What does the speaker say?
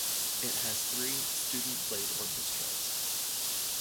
It has three student-played orchestras.